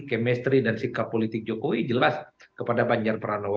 chemistry dan sikap politik jokowi jelas kepada ganjar pranowo